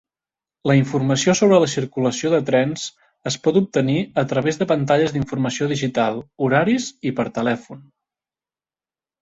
La informació sobre la circulació de trens es pot obtenir a través de pantalles d'informació digital, horaris i per telèfon.